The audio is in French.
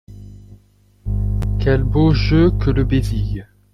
Quel beau jeu que le bésigue !